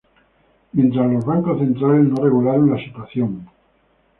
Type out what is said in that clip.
Mientras los bancos centrales no regularon la situación.